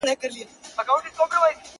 ور کول مو پر وطن باندي سرونه-